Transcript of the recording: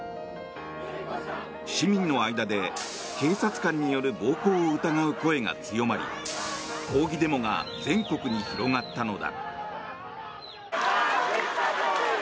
市民の間で、警察官による暴行を疑う声が強まり抗議デモが全国に広がったのだ。